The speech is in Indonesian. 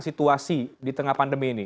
situasi di tengah pandemi ini